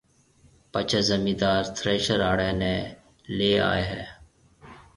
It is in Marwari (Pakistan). پڇيَ زميندار ٿريشر آݪي نَي ليَ آئي هيَ۔